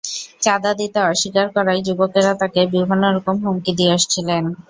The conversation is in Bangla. চাঁদা দিতে অস্বীকার করায় যুবকেরা তাঁকে বিভিন্ন রকম হুমকি দিয়ে আসছিলেন।